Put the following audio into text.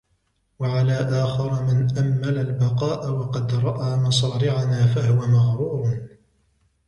وَعَلَى آخَرَ مَنْ أَمَّلَ الْبَقَاءَ وَقَدْ رَأَى مَصَارِعَنَا فَهُوَ مَغْرُورٌ